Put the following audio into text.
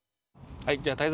はい！